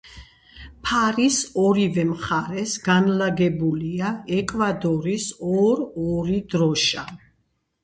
ფარის ორივე მხარეს განლაგებულია ეკვადორის ორ-ორი დროშა.